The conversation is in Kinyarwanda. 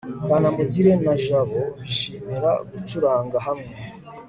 kanamugire na jabo bishimira gucuranga hamwe